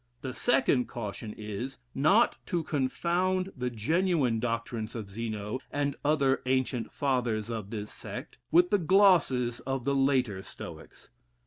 The second caution is, not to confound the genuine doctrines of Zeno, and other ancient fathers of this sect, with the glosses of the later Stoics....